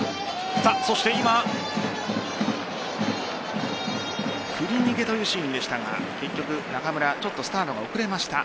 そして、今振り逃げというシーンでしたが結局、中村スタートが遅れました。